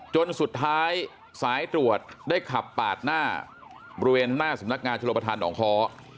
จนสุดท้ายสายตรวจได้ขับปาดหน้าบริเวณหน้าสำนักงานชนประธานหองคอ